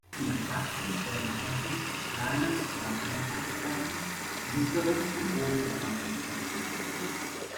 In der Praxis werden häufig kleines oder einfaches Wappen, mittleres und großes Wappen unterschieden.